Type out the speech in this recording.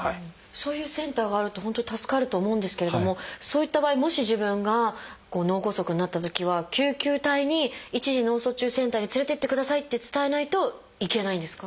そういうセンターがあると本当に助かると思うんですけれどもそういった場合もし自分が脳梗塞になったときは救急隊に「一次脳卒中センターに連れていってください」って伝えないといけないんですか？